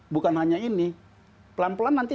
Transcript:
bukan hanya ini pelan pelan nanti